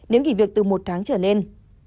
nếu nghỉ việc từ một tháng trở lên